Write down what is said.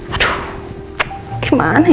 aduh gimana ya